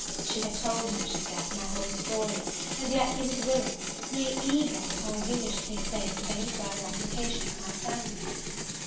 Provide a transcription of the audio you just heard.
She had told him, she said, my whole story, and yet he was willing, nay eager, that our union should take place of any further application to my family.